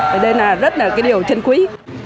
thì đây là rất là cái điều trân quý